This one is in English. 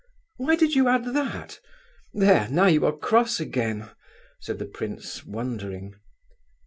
"Why did you add that?—There! Now you are cross again," said the prince, wondering.